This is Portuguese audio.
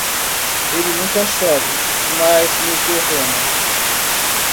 Ele nunca chove, mas nos derrama.